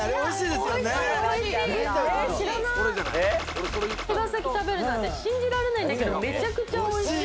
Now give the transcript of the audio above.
○○で手羽先食べるなんて信じられないけれど、めちゃくちゃおいしい。